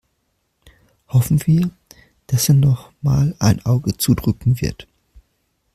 Hoffen wir, dass er noch mal ein Auge zudrücken wird.